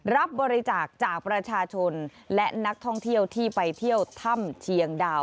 รับบริจาคจากประชาชนและนักท่องเที่ยวที่ไปเที่ยวถ้ำเชียงดาว